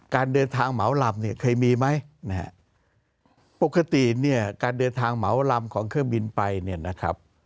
การเดินทางเหมาลำเนี่ยเคยมีไหมนะฮะปกติเนี่ยการเดินทางเหมาลำของเครื่องบินไปเนี่ยนะครับ